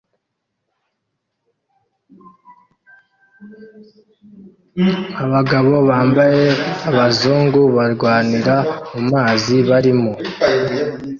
Abagabo bambaye abazungu barwanira mu mazi barimo